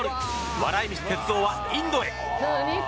笑い飯・哲夫はインドへ。